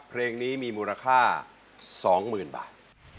เพลงนี้มีมูลค่า๒หมื่นบาท